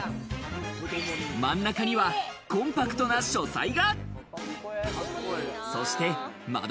真ん中にはコンパクトな書斎が。